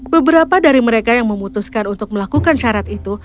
beberapa dari mereka yang memutuskan untuk melakukan syarat itu